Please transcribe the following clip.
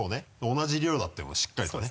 同じ量だっていうのをしっかりとね。